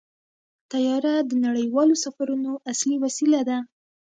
طیاره د نړیوالو سفرونو اصلي وسیله ده.